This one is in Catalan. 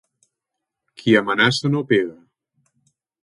Qui amenaça no pega.